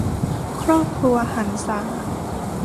ครอบครัวหรรษา